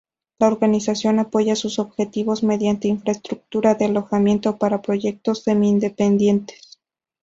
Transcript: La organización apoya sus objetivos mediante infraestructura de alojamiento para proyectos semi-independientes.